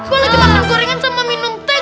kok lagi makan gorengan sama minum teh